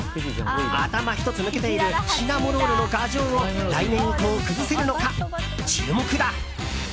頭一つ抜けているシナモロールの牙城を来年以降崩せるのか、注目だ！